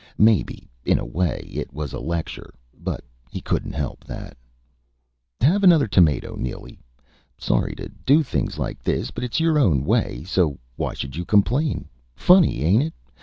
Maybe, in a way, it was a lecture; but he couldn't help that: "Have another tomato, Neely. Sorry to do things like this but it's your own way. So why should you complain? Funny, ain't it?